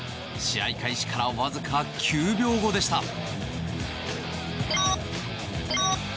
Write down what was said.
試合開始からわずか９秒後でした。